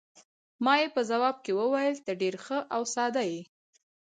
ما یې په ځواب کې وویل: ته ډېره ښه او ساده یې.